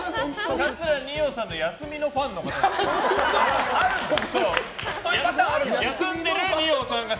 桂二葉さんの休みのファンの方です。